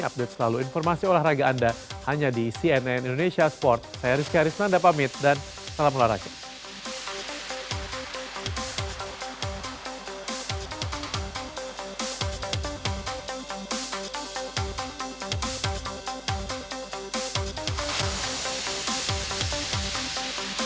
update selalu informasi olahraga anda hanya di cnn indonesia sport